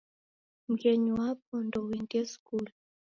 Mghenyu wapo ndouendie skulu.